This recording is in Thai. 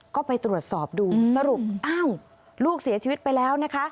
ก็ไปตรวจสอบดูสรุปอ้าวลูกเสียชีวิตไปแล้วนะคะ